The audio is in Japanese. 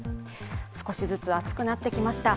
少しずつ暑くなってきました。